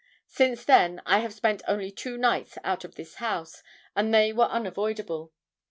Since then I have spent only two nights out of this house, and they were unavoidable.